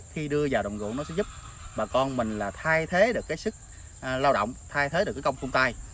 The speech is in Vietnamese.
khi đưa vào động vụ nó sẽ giúp bà con mình thay thế được sức lao động thay thế được công công tay